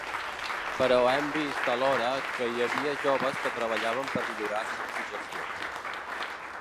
Però hem vist alhora que hi havia joves que treballaven per millorar aquesta situació.